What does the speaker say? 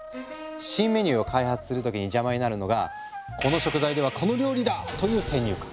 新メニューを開発する時に邪魔になるのが「この食材ではこの料理だ」という先入観。